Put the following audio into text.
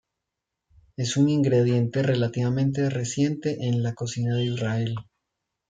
Es un ingrediente relativamente reciente en la cocina de Israel.